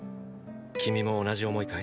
君も同じ思いかい？